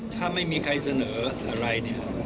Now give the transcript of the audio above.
ถ้าไม่มีใครเสนออะไร